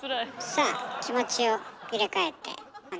さあ気持ちを入れ替えてお願いします。